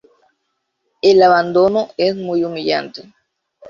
El abandono es muy humillante.